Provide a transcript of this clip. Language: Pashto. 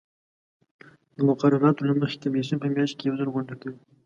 د مقرراتو له مخې کمیسیون په میاشت کې یو ځل غونډه کوي.